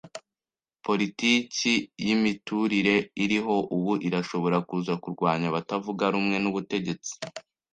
Politiki yimiturire iriho ubu irashobora kuza kurwanya abatavuga rumwe n’ubutegetsi.